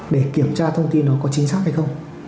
để kiểm tra thông tin nó có chính xác hay không